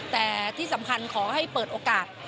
แต่ที่สำคัญขอให้เปิดโอกาส